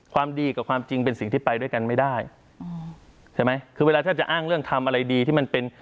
ดีกับความจริงเป็นสิ่งที่ไปด้วยกันไม่ได้ใช่ไหมคือเวลาถ้าจะอ้างเรื่องทำอะไรดีที่มันเป็น